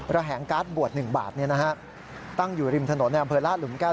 ระแหงการ์ดบวช๑บาทเนี่ยนะฮะตั้งอยู่ริมถนนแหลมเผลอร้านหลุมแก้ว